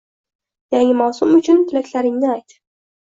Yangi mavsum uchun tilaklaringni ayt.